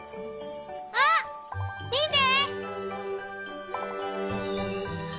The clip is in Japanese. あっ！みて！